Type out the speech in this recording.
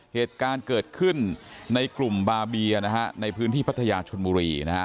เหตุการณ์เกิดขึ้นในกลุ่มบาเบียนะฮะในพื้นที่พัทยาชนบุรีนะฮะ